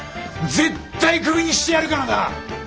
絶対クビにしてやるからな！